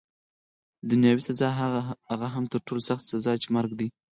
دنیاوي سزا، هغه هم تر ټولو سخته سزا چي مرګ دی.